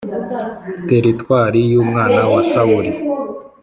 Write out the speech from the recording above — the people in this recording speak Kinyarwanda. Teritwari y’umwana wa sawuri.